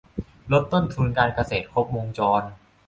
ลดต้นทุนการเกษตรครบวงจร